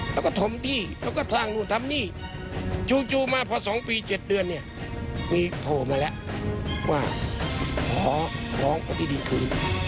แล้วก็ทมที่แล้วก็สร้างนู่นทำนี่จู่มาพอ๒ปี๗เดือนเนี่ยมีโผล่มาแล้วว่าขอร้องปฏิทินคืน